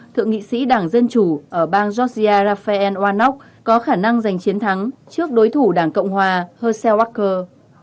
thượng nghị sĩ đảng dân chủ ở bang georgia raphael warnock có khả năng giành chiến thắng trước đối thủ đảng cộng hòa hersel walker